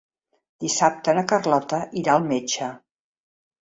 Dissabte na Carlota irà al metge.